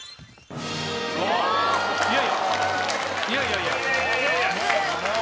いやいや。